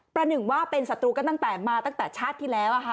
ประหนึ่งว่าเป็นสัตวุก็มาตั้งแต่ชาติที่แล้วอ่ะค่ะ